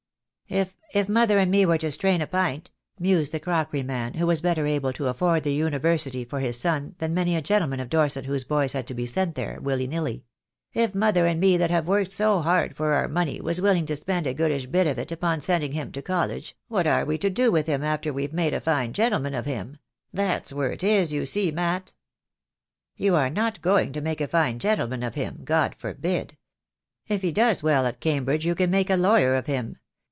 "If — if mother and me were to strain a p'int," mused the crockery man, who was better able to afford the Uni versity for his son than many a gentleman of Dorset whose boys had to be sent there, willy nilly, "if mother and me that have worked so hard for our money was willing to spend a goodish bit of it upon sending him to college, what are we to do with him after we've made a fine gentleman of him? That's where it is, you see, Mat." "You are not going to make a fine gentleman of him. God forbid. If he does well at Cambridge you can make a lawyer of him.